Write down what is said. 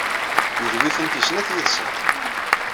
Yedwi-tent i snat yid-sent.